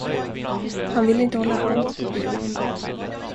Han ville inte hålla hand på bion.